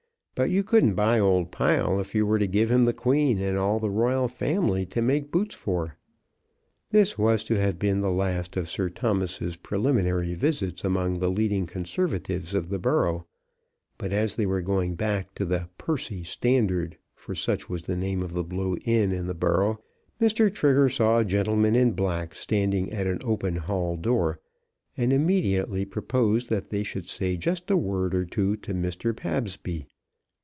But you couldn't buy old Pile if you were to give him the Queen and all the Royal family to make boots for." This was to have been the last of Sir Thomas's preliminary visits among the leading Conservatives of the borough, but as they were going back to the "Percy Standard," for such was the name of the Blue inn in the borough, Mr. Trigger saw a gentleman in black standing at an open hall door, and immediately proposed that they should just say a word or two to Mr. Pabsby.